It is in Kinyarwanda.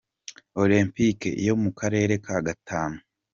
olempike yo mu karere ka Gatanu